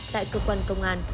tại cơ quan công an